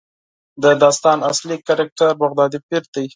د داستان اصلي کرکټر بغدادي پیر دی.